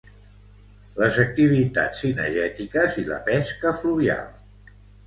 Les activitats cinegètiques i la pesca fluvial.